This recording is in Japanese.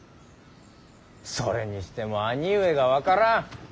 それにしても兄上が分からん。